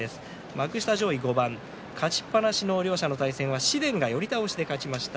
幕下上位５番、勝ちっぱなしの両者の対戦は紫雷が寄り倒しで勝ちました。